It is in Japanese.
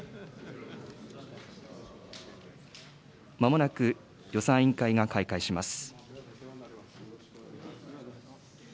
まもなく予算委員会が開会します。